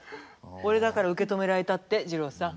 俺だから受け止められたって二朗さん。